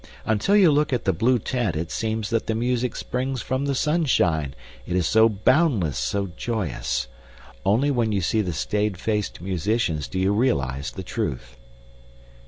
Until you look at the blue tent it seems that the music springs from the sunshine, it is so boundless, so joyous. Only when you see the staid faced musicians do you realize the truth.